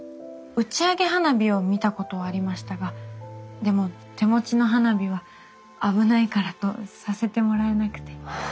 打ち上げ花火を見たことはありましたがでも手持ちの花火は危ないからとさせてもらえなくて。